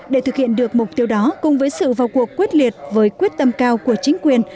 để thực hiện được mục tiêu đó cùng với sự vào cuộc quyết liệt với quyết tâm cao của chính quyền